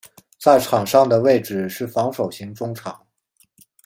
在场上的位置是防守型中场。